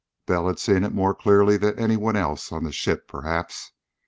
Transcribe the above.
Bell had seen it more clearly than anyone else on the ship, perhaps.